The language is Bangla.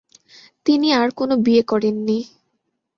তিনি আর কোনো বিয়ে করেননি।